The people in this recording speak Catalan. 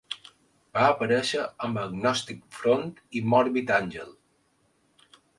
va aparèixer amb Agnostic Front i Morbid Angel.